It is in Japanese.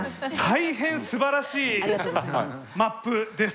大変すばらしいマップです。